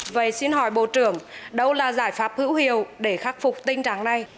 vậy xin hỏi bộ trưởng đâu là giải pháp hữu hiệu để khắc phục tình trạng này